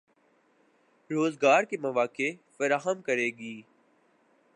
روزگار کے مواقع فراہم کرے گی